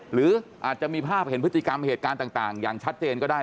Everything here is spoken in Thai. หรืออาจจะมีภาพเห็นพฤติกรรมเหตุการณ์ต่างอย่างชัดเจนก็ได้